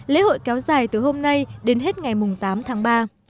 lễ hội kéo dài từ hôm nay đến hết ngày tám tháng ba